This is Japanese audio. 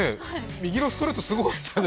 右のストレートすごかったよね？